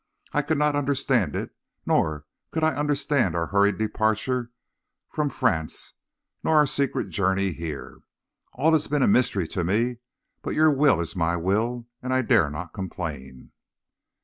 I could not understand it, nor could I understand our hurried departure from France, nor our secret journey here. All has been a mystery to me; but your will is my will, and I dare not complain."